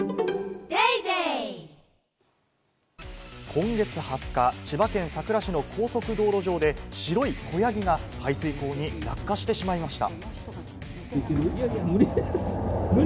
今月２０日、千葉県佐倉市の高速道路上で白い子ヤギが排水溝に落下してしまいました。